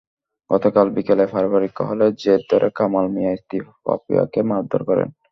গতকাল বিকেলে পারিবারিক কলহের জের ধরে কামাল মিয়া স্ত্রী পাপিয়াকে মারধর করেন।